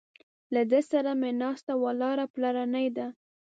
له ده سره مې ناسته ولاړه پلرنۍ ده.